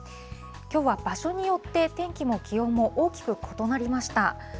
きょうは場所によって、天気も気温も大きく異なりました。